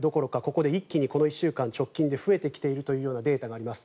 ここで一気にこの１週間で直近で増えているというデータがあります。